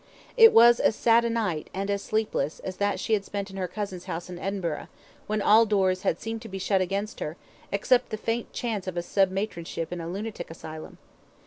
It was as sad a night, and as sleepless, as that she had spent in her cousin's house in Edinburgh, when all doors had seemed to be shut against her, except the faint chance of a sub matronship in a lunatic asylum.